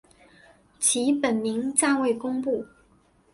其本名暂未公布。